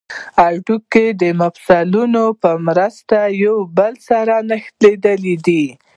هډوکي د مفصلونو په مرسته یو بل سره نښلیدلي دي